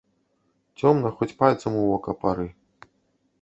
Цёмна, хоць пальцам у вока пары.